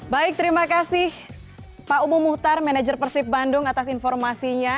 baik terima kasih pak ubuh muhtar manajer persib bandung atas informasinya